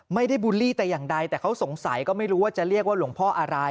บูลลี่แต่อย่างใดแต่เขาสงสัยก็ไม่รู้ว่าจะเรียกว่าหลวงพ่ออะไร